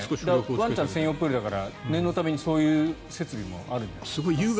ワンちゃん専用プールだから念のためそういう設備もあるという。